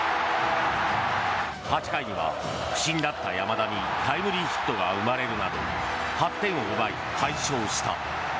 ８回には不振だった山田にタイムリーヒットが生まれるなど８点を奪い、快勝した。